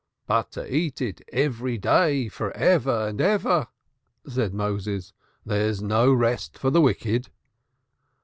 "But to eat it every day for ever and ever!" said Moses. "There's no rest for the wicked."